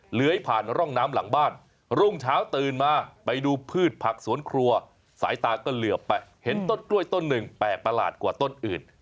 เหลือยผ่านร่องน้ำหลังบ้านรุ่งเช้าตื่นมาไปดูพืชผักสวนครัวสายตาก็เหลือไปเห็นต้นกล้วยต้นหนึ่งแปลกประหลาดกว่าต้นอื่น